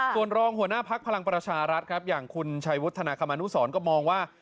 ส่วนรองหัวหน้าพักพลังประชารัฐครับอย่างคุณชัยวุฒนาคมนุสรก็มองว่า